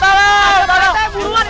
pak retek buruan